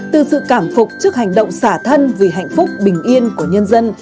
từ sự cảm phục trước hành động xả thân vì hạnh phúc bình yên của nhân dân